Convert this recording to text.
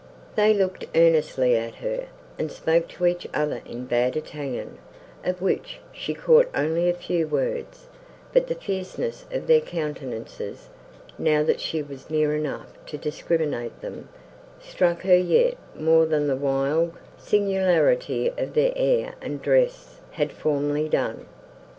They looked earnestly at her, and spoke to each other in bad Italian, of which she caught only a few words; but the fierceness of their countenances, now that she was near enough to discriminate them, struck her yet more than the wild singularity of their air and dress had formerly done.